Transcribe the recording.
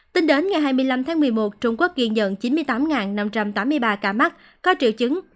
tính đến ngày hai mươi năm tháng một mươi một trung quốc ghi nhận chín mươi tám năm trăm tám mươi ba ca mắc có triệu chứng